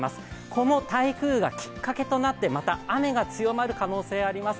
この台風がきっかけとなって、また雨が強まる可能性があります。